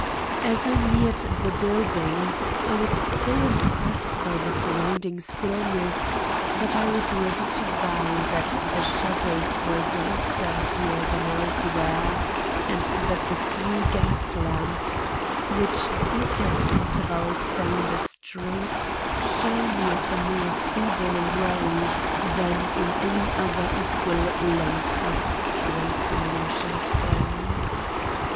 As I neared the building, I was so impressed by the surrounding stillness that I was ready to vow that the shadows were denser here than elsewhere and that the few gas lamps, which flickered at intervals down the street, shone with a more feeble ray than in any other equal length of street in Washington.